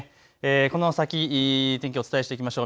この先、天気をお伝えしていきましょう。